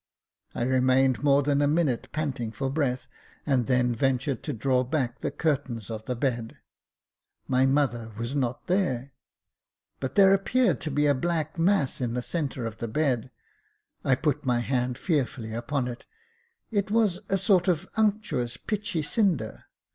" I remained more than a minute panting for breath, and then ventured to draw back the curtains of the bed — my mother was not there ! but there appeared to be a black mass in the centre of the bed. I put my hand fearfully upon it — it was a sort of unctuous, pitchy cinder.